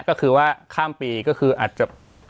ก็คือว่าข้ามปีก็คืออาจจะ